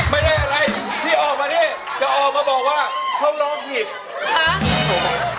ไม่ได้อะไรที่ออกมานี่จะออกมาบอกว่าเขาร้องผิดฮะถูกไหม